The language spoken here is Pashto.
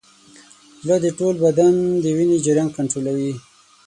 زړه د ټول بدن د وینې جریان کنټرولوي.